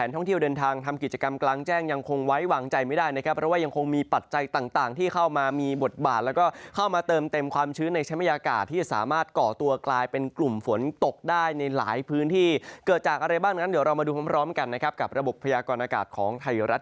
ตัวเหล่าที่เกิดจากอะไรบ้าง